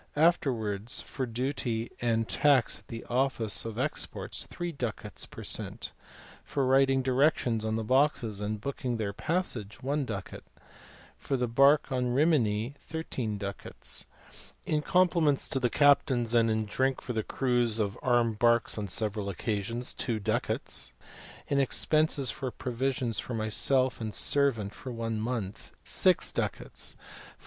; afterwards for duty and tax at the office of exports, 3 ducats per cent. ; for writing directions on the boxes and booking their passage, 1 ducat ; for the bark to Rimini, 13 ducats ; in compliments to the captains and in drink for the crews of armed barks on several occasions, 2 ducats ; in expenses for provisions for myself and servant for one month, 6 ducats ; for.